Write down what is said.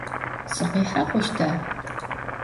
Sıkhihe xhuşta?